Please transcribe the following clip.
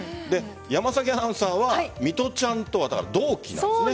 山崎アナウンサーは水卜ちゃんとは同期なんですか？